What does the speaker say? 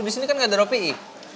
di sini kan gak ada ropi'i